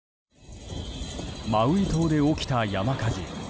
マウイ島で起きた山火事。